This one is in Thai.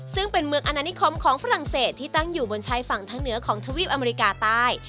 ซึ่งเป็นเมืองอนานิคมของฝรั่งเศสที่ตั้งอยู่บนชายฝั่งทางเหนือของทวีปอเมริกาใต้